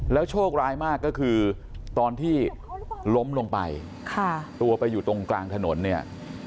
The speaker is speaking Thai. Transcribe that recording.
โชคร้ายมากก็คือตอนที่ล้มลงไปตัวไปอยู่ตรงกลางถนนเนี่ย